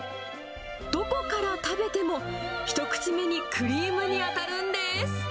どこから食べても、一口目にクリームに当たるんです。